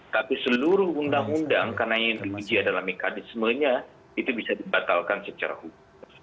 tapi seluruh undang undang karena yang diuji adalah mekanismenya itu bisa dibatalkan secara hukum